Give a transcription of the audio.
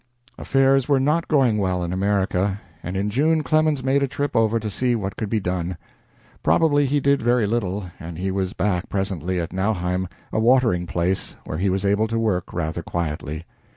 Affairs were not going well in America, and in June Clemens made a trip over to see what could be done. Probably he did very little, and he was back presently at Nauheim, a watering place, where he was able to work rather quietly.